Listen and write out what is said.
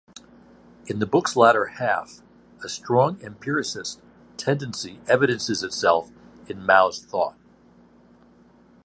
In the book's latter half, a strong empiricist tendency evidences itself in Mao's thought.